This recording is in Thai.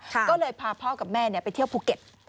ก็เลยพาพ่อกับแม่ไปเที่ยวภูเก็ต